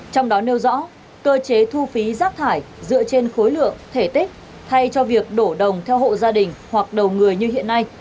trong đó nêu rõ cơ chế thu phí rác thải dựa trên khối lượng thể tích thay cho việc đổ đồng theo hộ gia đình hoặc đầu người như hiện nay